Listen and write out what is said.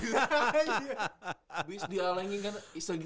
hahaha biasa dialangi kan